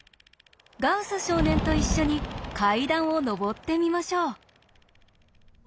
ガウス少年と一緒に階段を上ってみましょう。